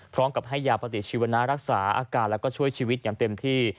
พร้อมกับให้ยาปฏิชีวนะรักษาอาการแล้วก็ช่วยชีวิตอย่างเต็มที่